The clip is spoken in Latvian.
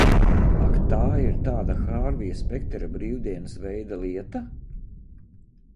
Ak, tā ir tāda Hārvija Spektera brīvdienas veida lieta?